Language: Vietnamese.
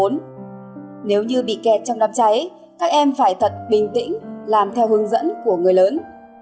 nếu như bị kẹt trong đám cháy các em phải thật bình tĩnh làm theo hướng dẫn của người lớn